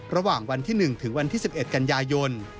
ระหว่างวันที่๑ถึงวันที่๑๑กันยายน